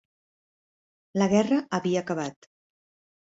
La guerra havia acabat.